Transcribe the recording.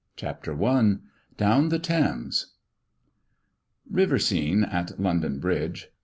CHAPTER I. Down the Thames. RIVER SCENE AT LONDON BRIDGE.